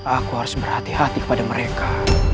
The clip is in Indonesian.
aku harus berhati hati kepada mereka